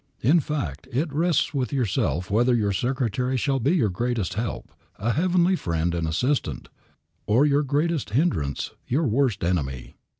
In fact it rests with yourself whether your secretary shall be your greatest help, a heavenly friend and assistant, or your greatest hindrance, your worst enemy.